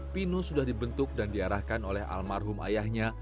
pino sudah dibentuk dan diarahkan oleh almarhum ayahnya